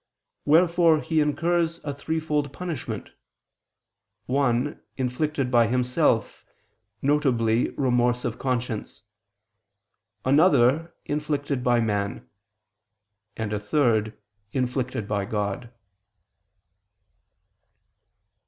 Wherefore he incurs a threefold punishment; one, inflicted by himself, viz. remorse of conscience; another, inflicted by man; and a third, inflicted by God.